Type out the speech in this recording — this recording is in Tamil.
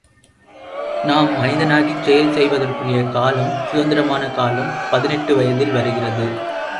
நாம் மனிதனாகிச் செயல் செய்வதற்குரிய காலம் சுதந்திரமான காலம் பதினெட்டு வயதில் வருகிறது!